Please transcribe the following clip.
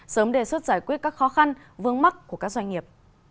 sớm đề xuất giải quyết các khó khăn vướng mắt của các doanh nghiệp